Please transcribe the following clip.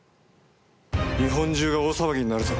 日本中が大騒ぎになるぞ。